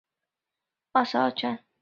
列传有二十二卷。